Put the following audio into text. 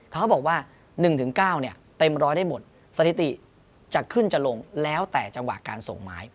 เขาบอกว่า๑๙เนี่ยเต็มร้อยได้หมดสถิติจะขึ้นจะลงแล้วแต่จังหวะการส่งไม้